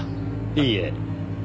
いいえ。